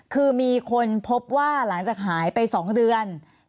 คือมีคนพบว่าหลังจากหายไป๒เดือน